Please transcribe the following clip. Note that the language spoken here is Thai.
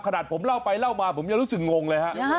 ขนาดผมเล่าไปเล่ามาผมยังรู้สึกงงเลยฮะ